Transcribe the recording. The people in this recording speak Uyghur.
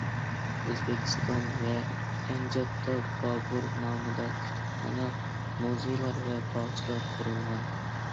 ئۆزبېكىستان ۋە ئەنجاندا بابۇر نامىدا كۇتۇپخانا، مۇزېيلار ۋە باغچىلار قۇرۇلغان.